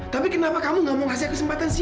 tapi kenapa kamu nggak mau ngasih aku kesempatan sih